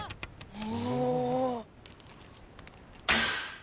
お！